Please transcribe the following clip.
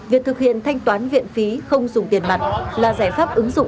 việc thực hiện thanh toán viện phí không dùng tiền mặt là giải pháp ứng dụng